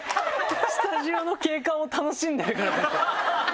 スタジオの景観を楽しんでるから。